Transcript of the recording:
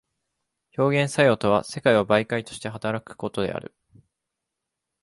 表現作用とは世界を媒介として働くことである。